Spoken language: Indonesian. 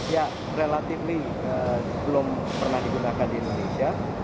ya relatively belum pernah digunakan di indonesia